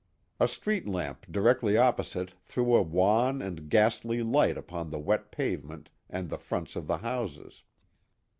A street lamp directly opposite threw a wan and ghastly light upon the wet pavement and the fronts of the houses.